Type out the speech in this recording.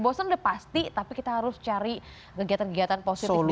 bosen udah pasti tapi kita harus cari kegiatan kegiatan positif dulu